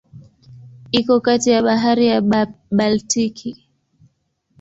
Iko kati ya Bahari ya Baltiki.